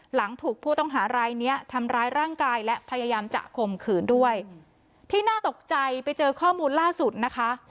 หลังถูกผู้ต้องหารายเนี้ยทำร้ายร่างกายและพยายามจะข่มขืนด้วยที่น่าตกใจไปเจอข้อมูลล่าสุดนะคะ